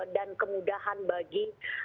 dan kemudahan bagi